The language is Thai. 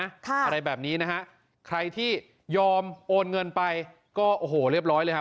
อะไรแบบนี้นะฮะใครที่ยอมโอนเงินไปก็โอ้โหเรียบร้อยเลยครับ